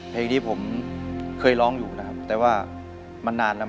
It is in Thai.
เพลงที่ผมเคยร้องอยู่นะครับแต่ว่ามันนานแล้ว